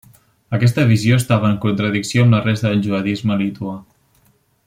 Aquesta visió estava en contradicció amb la resta del judaisme lituà.